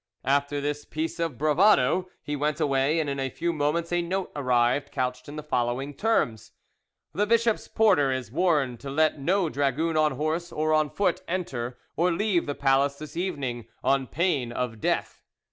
After this piece of bravado he went away, and in a few moments a note arrived, couched in the following terms: "The bishop's porter is warned to let no dragoon on horse or on foot enter or leave the palace this evening, on pain of death.